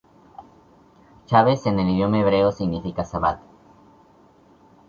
Chaves en el idioma hebreo significa Sabat.